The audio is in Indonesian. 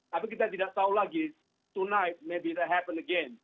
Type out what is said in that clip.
tapi kita tidak tahu lagi tonight maybe that happen again